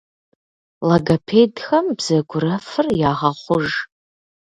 Логопедхэм бзэгурэфыр ягъэхъуж.